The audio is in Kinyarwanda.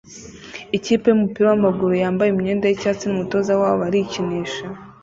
Ikipe yumupira wamaguru yambaye imyenda yicyatsi numutoza wabo barikinisha